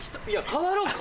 代わろうか？